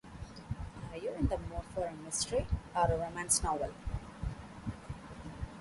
Are you in the mood for a mystery or a romance novel?